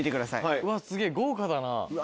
うわすげぇ豪華だな。